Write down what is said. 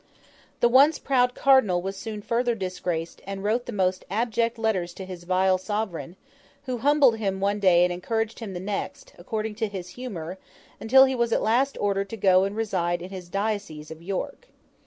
The once proud Cardinal was soon further disgraced, and wrote the most abject letters to his vile sovereign; who humbled him one day and encouraged him the next, according to his humour, until he was at last ordered to go and reside in his diocese of York.